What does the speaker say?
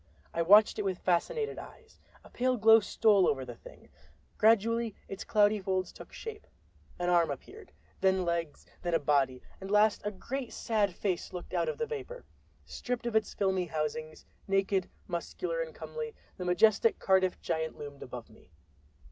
I watched it with fascinated eyes. A pale glow stole over the Thing; gradually its cloudy folds took shape—an arm appeared, then legs, then a body, and last a great sad face looked out of the vapor. Stripped of its filmy housings, naked, muscular and comely, the majestic Cardiff Giant loomed above me!